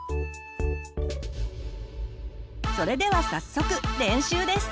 それでは早速練習です。